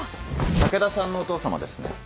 武田さんのお父様ですね？